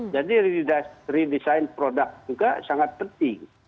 jadi redesign produk juga sangat penting